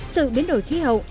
sự biến đổi khí hậu